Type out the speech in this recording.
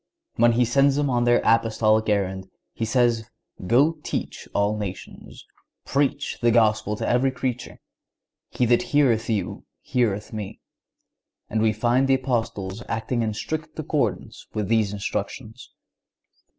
When He sends them on their Apostolic errand, He says: "Go teach all nations."(140) "Preach the Gospel to every creature."(141) "He that heareth you heareth Me."(142) And we find the Apostles acting in strict accordance with these instructions.